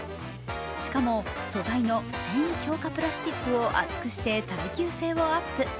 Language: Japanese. しかも素材の強化プラスチックを厚くして耐久性をアップ。